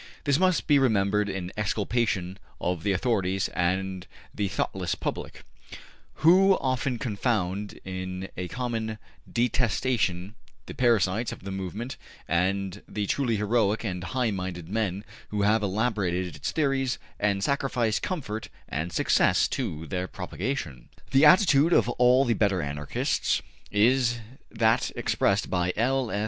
This must be remembered in exculpation of the authorities and the thoughtless public, who often confound in a common detestation the parasites of the movement and the truly heroic and high minded men who have elaborated its theories and sacrificed comfort and success to their propagation. The attitude of all the better Anarchists is that expressed by L.